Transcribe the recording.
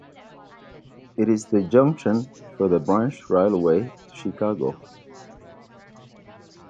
It is the junction for the branch railway to Chiange.